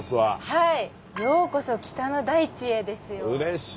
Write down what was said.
はい。